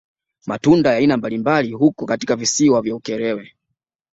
Matunda ya aina mabalimbali huko katika visiwa vya Ukerewe